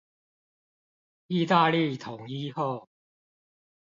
義大利統一後